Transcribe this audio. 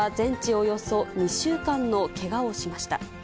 およそ２週間のけがをしました。